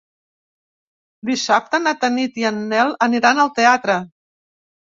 Dissabte na Tanit i en Nel aniran al teatre.